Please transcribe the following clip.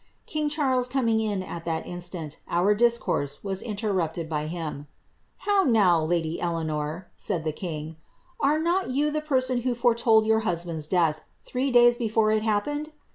King Charles coming in at that instant, our discourse was interrupted by him. ' How now, lady Eleanor,' said the king, 'are not you the person who foretold your husband's death three days Defoie it happened